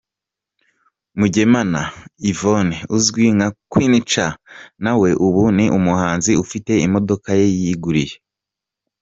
Mugemana Yvonne uzwi nka “Queen Cha” nawe ubu ni umuhanzi ufite imodoka ye yiguriye.